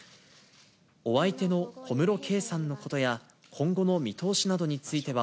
お相手の小室圭さんのことや、今後の見通しなどについては、